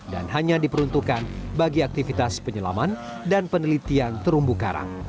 dan hanya diperuntukkan bagi aktivitas penyelaman dan penelitian terumbu karang